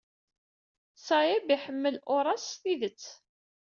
Saeb iḥemmel Horace s tidet.